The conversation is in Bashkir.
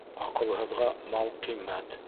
Аҡылһыҙға мал ҡиммәт.